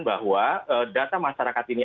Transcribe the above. bahwa data masyarakat ini